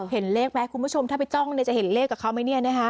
เห็นเลขไหมคุณผู้ชมถ้าไปจ้องเนี่ยจะเห็นเลขกับเขาไหมเนี่ยนะคะ